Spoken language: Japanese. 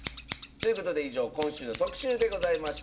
ということで以上今週の特集でございました。